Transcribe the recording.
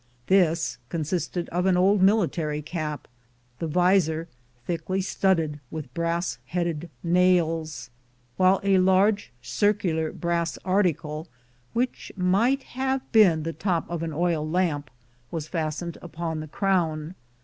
This consisted of an old military cap, the visor thickly studded with brassheaded nails, while a large circular brass article, which might have been the top of an oil lamp, was fastened upon the crown.